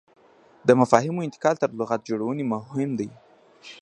د مفاهیمو انتقال تر لغت جوړونې مهم دی.